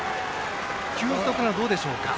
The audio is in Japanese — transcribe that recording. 球速はどうでしょうか。